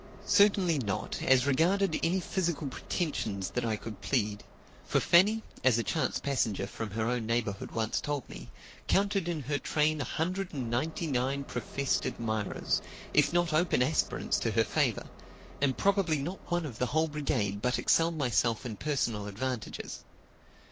Certainly not, as regarded any physical pretensions that I could plead; for Fanny (as a chance passenger from her own neighborhood once told me) counted in her train a hundred and ninety nine professed admirers, if not open aspirants to her favor; and probably not one of the whole brigade but excelled myself in personal advantages.